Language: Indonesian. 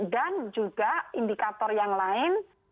dan juga indikator yang lain